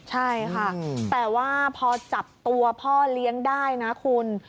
ใช่ค่ะแต่ว่าพอจับตัวพ่อเลี้ยงได้นะคุณ